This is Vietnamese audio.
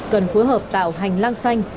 cần phối hợp tạo hành lang xanh